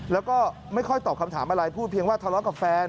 แล้วก็ไม่ค่อยตอบคำถามอะไรพูดเพียงว่าทะเลาะกับแฟน